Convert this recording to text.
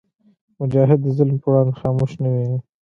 مجاهد د ظلم پر وړاندې خاموش نه وي.